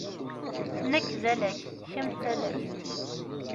Nekk d alak, kemm d talakt.